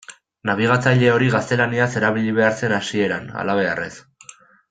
Nabigatzaile hori gaztelaniaz erabili behar zen hasieran, halabeharrez.